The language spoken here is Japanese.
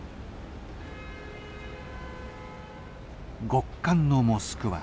極寒のモスクワ。